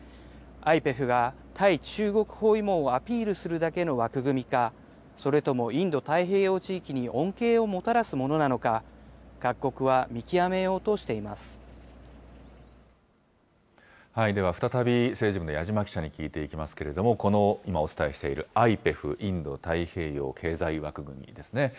ＩＰＥＦが対中国包囲網をアピールするだけの枠組みか、それともインド太平洋地域に恩恵をもたらすものなのか、各国は見極めようでは、再び、政治部の矢島記者に聞いていきますけれども、この、今お伝えしているＩＰＥＦ、インド太平洋経済枠組みですね。